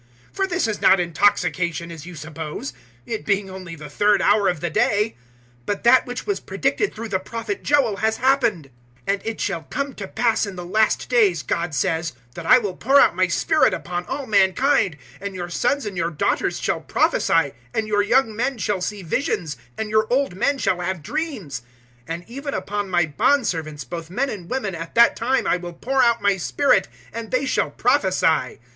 002:015 For this is not intoxication, as you suppose, it being only the third hour of the day. 002:016 But that which was predicted through the Prophet Joel has happened: 002:017 "And it shall come to pass in the last days, God says, that I will pour out My Spirit upon all mankind; and your sons and your daughters shall prophesy, and your young men shall see visions, and your old men shall have dreams; 002:018 and even upon My bondservants, both men and women, at that time, I will pour out My Spirit, and they shall prophesy.